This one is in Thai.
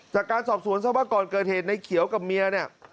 จากการสอบสวนศมกรเกิดเอนในเขียวกับเมียเนี่ย